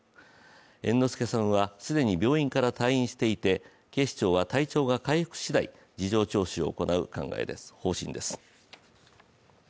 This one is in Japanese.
猿之助さんは既に病院から退院していて警視庁は体調が回復次第、事情聴取を行う方針です。